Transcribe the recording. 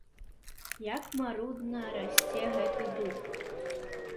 Як марудна расце гэты дуб!